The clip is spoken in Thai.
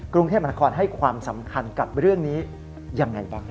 กรุงเทพมนาคอนให้ความสำคัญกับเรื่องนี้ยังไงบ้าง